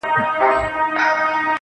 که هر څو خلګ ږغېږي چي بدرنګ یم.